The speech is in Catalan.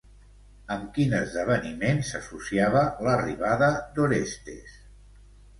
Amb quin esdeveniment s'associava l'arribada d'Orestes?